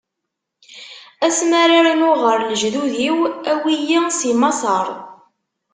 Ass mi ara rnuɣ ɣer lejdud-iw, awi-yi si Maṣer.